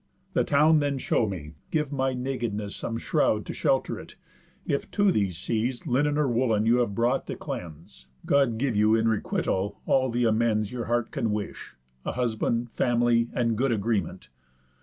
The town then show me; give my nakedness Some shroud to shelter it, if to these seas Linen or woollen you have brought to cleanse. God give you, in requital, all th' amends Your heart can wish, a husband, family, And good agreement.